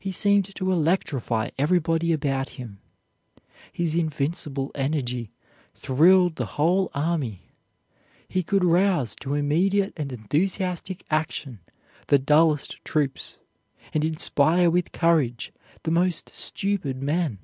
He seemed to electrify everybody about him. His invincible energy thrilled the whole army. He could rouse to immediate and enthusiastic action the dullest troops, and inspire with courage the most stupid men.